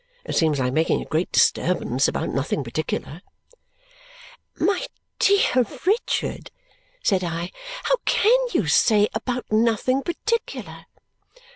It seems like making a great disturbance about nothing particular." "My dear Richard," said I, "how CAN you say about nothing particular?"